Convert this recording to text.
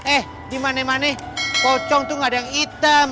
eh di mana mana pocong tuh gak ada yang hitam